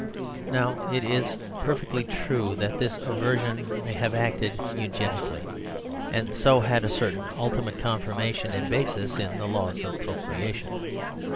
Now it is perfectly true that this aversion may have acted eugenically; and so had a certain ultimate confirmation and basis in the laws of procreation.